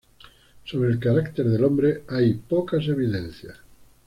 Sobre el carácter del hombre, hay pocas evidencias.